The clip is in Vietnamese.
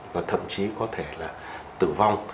và thậm chí có thể là tử vong